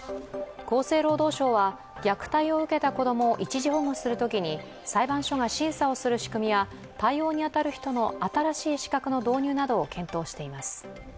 厚生労働省は虐待を受けた子供を一時保護するときに裁判所が審査をする仕組みや対応に当たる人の新しい資格の導入などを検討しています。